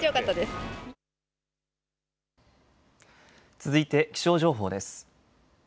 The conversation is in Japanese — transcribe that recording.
続いて気象情報です。